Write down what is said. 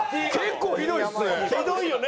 ひどいよね。